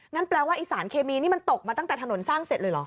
แปลว่าไอ้สารเคมีนี่มันตกมาตั้งแต่ถนนสร้างเสร็จเลยเหรอ